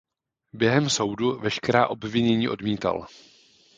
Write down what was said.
Během soudu veškerá obvinění odmítal.